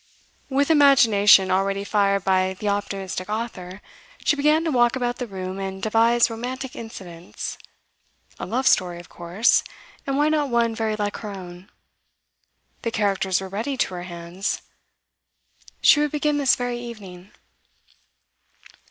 With imagination already fired by the optimistic author, she began to walk about the room and devise romantic incidents. A love story, of course and why not one very like her own? The characters were ready to her hands. She would begin this very evening.